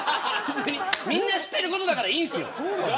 みんな知ってることだからいいんですよ。